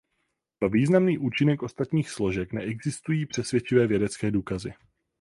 Pro významný účinek ostatních složek neexistují přesvědčivé vědecké důkazy.